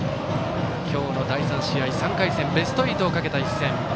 今日の第３試合、３回戦ベスト８をかけた一戦。